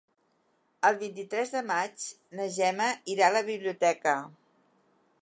El vint-i-tres de maig na Gemma irà a la biblioteca.